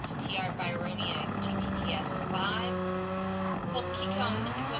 to Tr. Bryonia, Gtts. v Colchicum, Equiv.